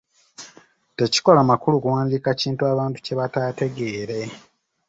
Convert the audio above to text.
Tekikola makulu kuwandiika kintu abantu kye bataategeere.